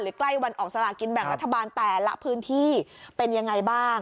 ใกล้วันออกสลากินแบ่งรัฐบาลแต่ละพื้นที่เป็นยังไงบ้าง